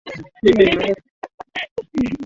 Nyinyi ni warefu